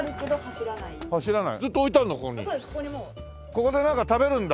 ここでなんか食べるんだ？